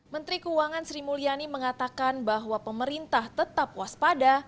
menteri keuangan sri mulyani mengatakan bahwa pemerintah tetap waspada